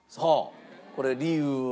これ理由は？